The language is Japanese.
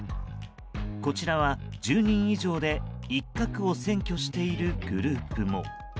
こちらは１０人以上で一角を占拠しているグループも。